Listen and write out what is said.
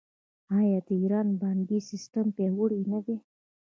آیا د ایران بانکي سیستم پیاوړی نه دی؟